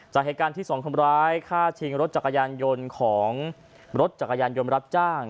จากเหตุการณ์ที่สองคนร้ายฆ่าชิงรถจักรยานยนต์ของรถจักรยานยนต์รับจ้าง